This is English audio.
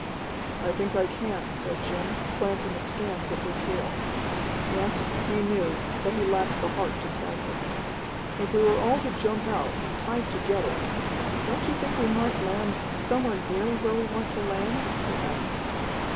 "I think I can," said Jim, glancing askance at Lucille. Yes, he knew, but he lacked the heart to tell her. "If we were all to jump out, tied together don't you think we might land somewhere near where we want to land?" he asked.